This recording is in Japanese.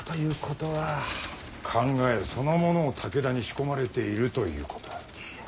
考えそのものを武田に仕込まれているということ。